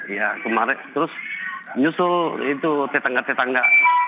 ya kemarin terus nyusul itu tetangga tetangga